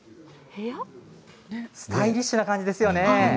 スタイリッシュな感じですよね。